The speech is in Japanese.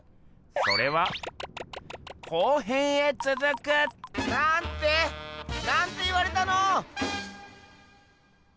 それは後編へつづく！なんて？なんて言われたの？